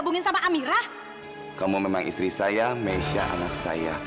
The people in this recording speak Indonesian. biar saya suapin ya